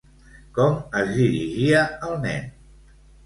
Com es dirigia al nen?